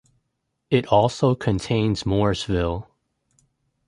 It also contains Morrisville.